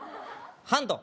ハンド！